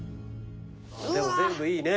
でも全部いいね。